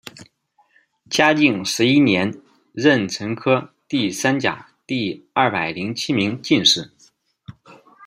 嘉靖十一年壬辰科第三甲第二百零七名进士。